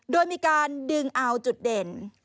โดยมีการดึงเอาจุดเด่น